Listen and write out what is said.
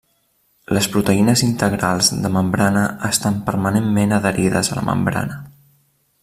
Les proteïnes integrals de membrana estan permanentment adherides a la membrana.